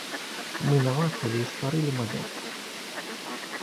Мы намацалі і стварылі мадэль.